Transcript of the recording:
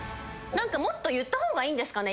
もっと言った方がいいんですかね。